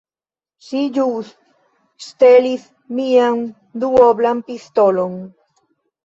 Ŝi ĵus ŝtelis mian duoblan pistolon.